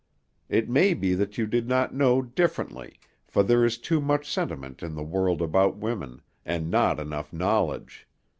It may be that you did not know differently, for there is too much sentiment in the world about women, and not enough knowledge.